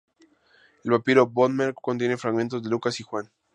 El papiro "Bodmer" contiene fragmentos de Lucas y Juan.